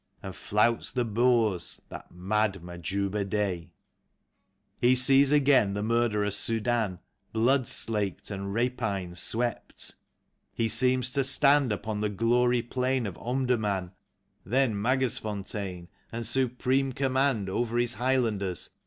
And flouts the Boers, that mad Majuba day. 68 ''FIGHTING MAC." He sees again the murderous Soudan, Blood slaked and rapine swept. He seems to stand Upon the gory plain of Omdurman. Then ]\Iagersfontein, and supreme command Over his Highlanders.